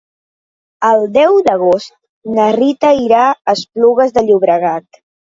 El deu d'agost na Rita irà a Esplugues de Llobregat.